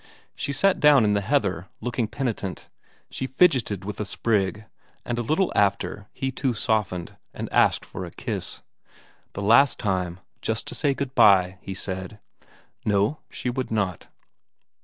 She sat down in the heather looking penitent; she fidgeted with a sprig, and a little after he too softened, and asked for a kiss, the last time, just to say good bye, he said. No, she would not.